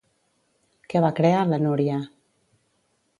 Què va crear, la Núria?